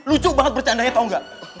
lucu banget bercandanya tau gak